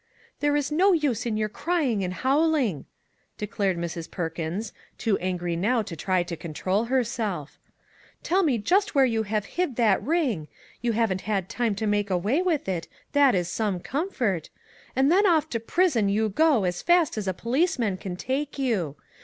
" There is no use in your crying and howl IO2 A SEA OF TROUBLE ing," declared Mrs. Perkins, too angry now to try to control herself ;" tell me just where you have hid that ring, you haven't had time to make away with it, that is some comfort, and then off to prison you go as fast as a policeman can take you.